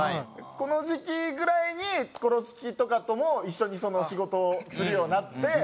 この時期ぐらいにコロチキとかとも一緒に仕事をするようになって。